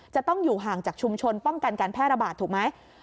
จะต้องอยู่ห่างจากชุมชนป้องกันการแพร่ระบาดถูกไหม